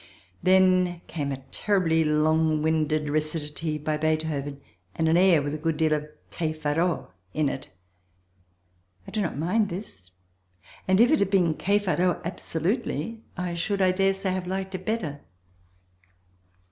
Then came a terribly long winded recitative by Beethoven and an air with a good deal of "Che farò" in it. I do not mind this, and if it had been "Che farò" absolutely I should, I daresay, have liked it better.